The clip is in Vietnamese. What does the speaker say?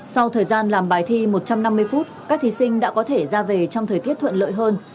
sau thời gian làm bài thi một trăm năm mươi phút các thí sinh đã có thể ra về trong thời tiết thuận lợi hơn